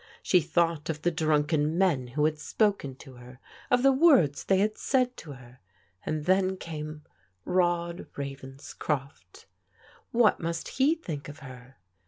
She thought of the drunken men who had spoken to her, of the words they had said to her, — ^and then came Rod Ravenscroft. What must he think of her?